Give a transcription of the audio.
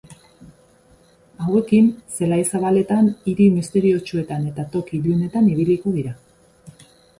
Hauekin, zelai zabaletan, hiri misteriotsuetan eta toki ilunetan ibiliko dira.